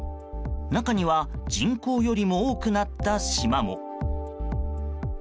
中には人口よりも多くなった島も。